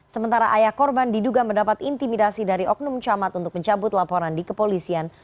sementara ayah korban diduga mendapat intimidasi dari oknum camat untuk mencabut laporan di kepolisian